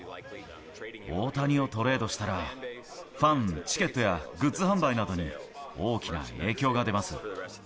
大谷をトレードしたら、ファン、チケットやグッズ販売などに大きな影響が出ます。